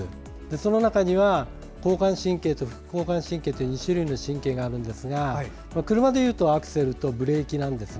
その中には交感神経と副交感神経という２種類の神経があるんですが車でいうとアクセルとブレーキです。